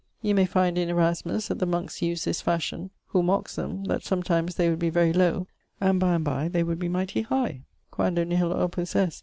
You may find in Erasmus that the monkes used this fashion, who mocks them, that sometimes they would be very lowe, and by and by they would be mighty high, quando nihil opus est.